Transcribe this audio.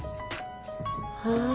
ああ。